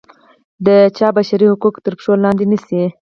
د چا بشري حقوق تر پښو لاندې نه شي.